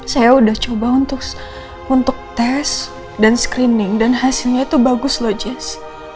saya sudah coba untuk tes dan screening dan hasilnya itu bagus loh james